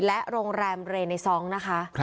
และโรงแรมเรนาซองค์